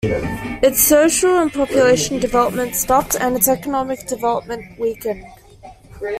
Its social and population development stopped, and its economic development weakened.